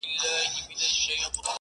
پر تندي يې شنه خالونه زما بدن خوري ـ